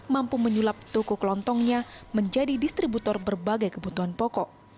mampu menyulap toko kelontongnya menjadi distributor berbagai kebutuhan pokok